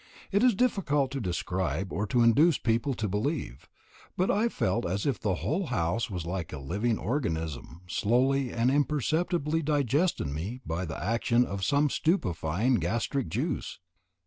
It is difficult to describe or to induce people to believe; but I felt as if the whole house was like a living organism slowly and imperceptibly digesting me by the action of some stupefying gastric juice.